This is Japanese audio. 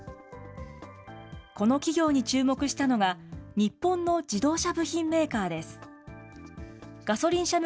この企業に注目したのが、日本の自動車部品メーカーです。